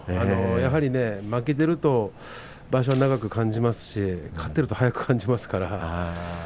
やはり、負けていると場所は長く感じますし勝っていると早く感じますからね。